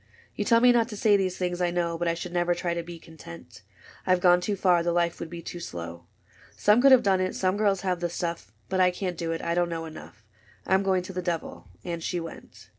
*' You tell me not to say these things, I know. But I should never try to be content : I 've gone too far ; the life would be too slow. Some could have done it — some girls have the stuff; But I can't do it : I don't know enough. I 'm going to the devil." — And she went.